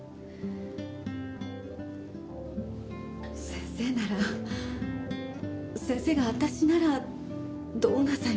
先生なら先生がわたしならどうなさいますか？